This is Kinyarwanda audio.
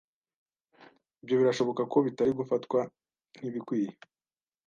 Ibyo birashoboka ko bitari gufatwa nkibikwiye.